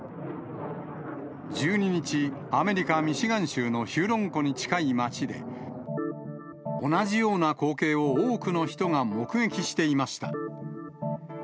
１２日、アメリカ・ミシガン州のヒューロン湖に近い町で、同じような光景を多くの人が目撃していました。